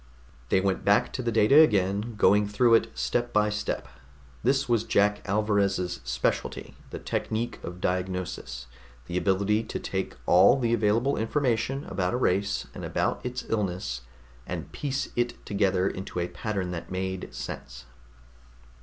They went back to the data again, going through it step by step. This was Jack Alvarez's specialty the technique of diagnosis, the ability to take all the available information about a race and about its illness and piece it together into a pattern that made sense.